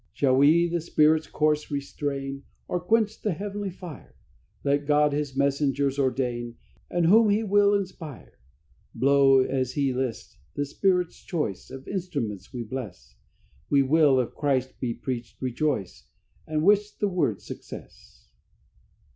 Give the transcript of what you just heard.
"Shall we the Spirit's course restrain, Or quench the heavenly fire? Let God His messengers ordain, And whom He will inspire! Blow as He list, the Spirit's choice Of instruments we bless: We will, if Christ be preached, rejoice, And wish the word success."